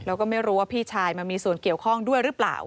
แล้วก็ไม่รู้ว่าพี่ชายมามีส่วนเกี่ยวข้องด้วยหรือเปล่า